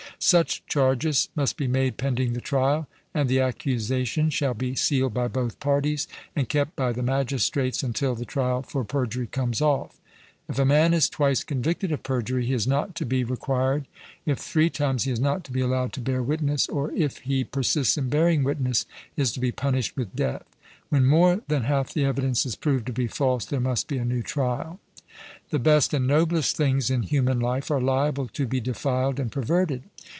Such charges must be made pending the trial, and the accusations shall be sealed by both parties and kept by the magistrates until the trial for perjury comes off. If a man is twice convicted of perjury, he is not to be required, if three times, he is not to be allowed to bear witness, or, if he persists in bearing witness, is to be punished with death. When more than half the evidence is proved to be false there must be a new trial. The best and noblest things in human life are liable to be defiled and perverted.